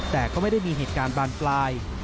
แต่ก็ไม่ได้มีเหตุการณ์บานปลาย